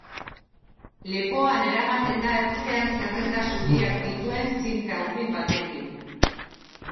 Lepoan eramaten da ertzean zerrenda zuriak dituen zinta urdin batekin.